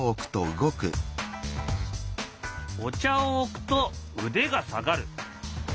お茶を置くと腕が下がる。